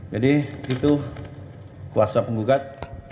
jadi itu kuasa penggugat